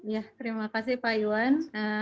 ya terima kasih pak iwan